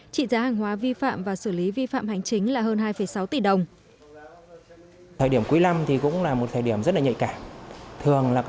trị giá hàng hóa vi phạm và xử lý vi phạm hành chính là hơn hai sáu tỷ đồng